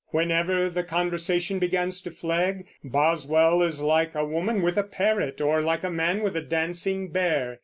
Whenever the conversation begins to flag, Boswell is like a woman with a parrot, or like a man with a dancing bear.